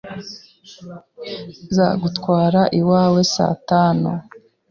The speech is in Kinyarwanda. Nzagutwara iwawe saa tanu.